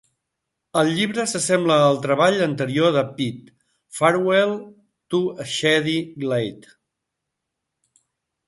El llibre s'assembla al treball anterior de Peet, "Farewell to Shady Glade".